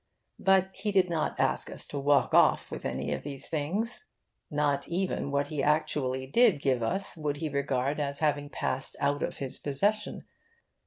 But he did not ask us to walk off with any of these things. Not even what he actually did give us would he regard as having passed out of his possession.